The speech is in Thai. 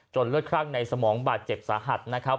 เลือดคลั่งในสมองบาดเจ็บสาหัสนะครับ